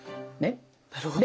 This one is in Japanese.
なるほど！